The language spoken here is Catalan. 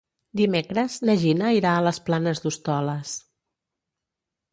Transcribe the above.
Dimecres na Gina irà a les Planes d'Hostoles.